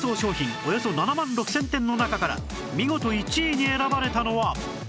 およそ７万６０００点の中から見事１位に選ばれたのは